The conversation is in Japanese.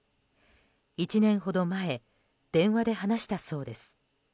１年ほど前電話で話したそうです。